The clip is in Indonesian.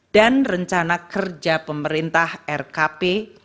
dan rencana kerja pemerintah rkp